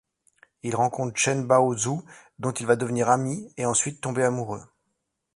Il rencontre Chen Bao Zhu dont il va devenir ami et ensuite tomber amoureux.